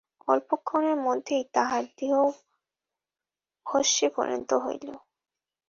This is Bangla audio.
অল্পক্ষণের মধ্যে তাঁহার দেহ ভস্মে পরিণত হইল।